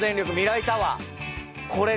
これがね